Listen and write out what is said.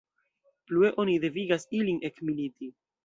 Plue oni devigas ilin ekmiliti.